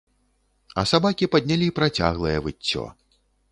А сабакі паднялі працяглае выццё.